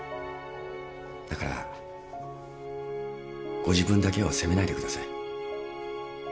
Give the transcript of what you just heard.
だからご自分だけを責めないでください。